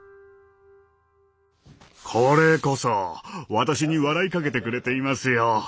これこそ私に笑いかけてくれていますよ！